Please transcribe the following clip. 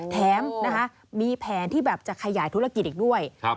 แถมนะคะมีแผนที่แบบจะขยายธุรกิจอีกด้วย